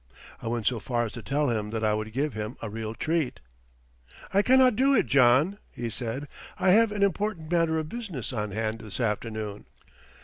I went so far as to tell him that I would give him a real treat. "I cannot do it, John," he said, "I have an important matter of business on hand this afternoon."